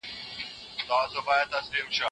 لوبې زموږ د خلکو روغتیا ته ګټه رسوي.